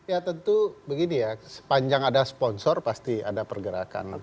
ya tentu begini ya sepanjang ada sponsor pasti ada pergerakan